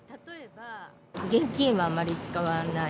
現金はあんまり使わない。